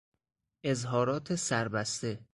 اظهارات سربسته